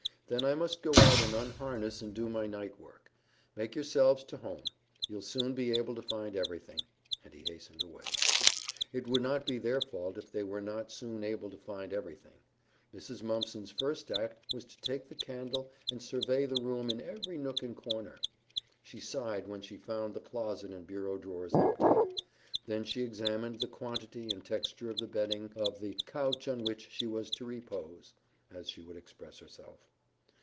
Then I must go out and unharness and do my night work. Make yourselves to home. You'll soon be able to find everything," and he hastened away. It would not be their fault if they were not soon able to find everything. Mrs. Mumpson's first act was to take the candle and survey the room in every nook and corner. She sighed when she found the closet and bureau drawers empty. Then she examined the quantity and texture of the bedding of the "couch on which she was to repose," as she would express herself.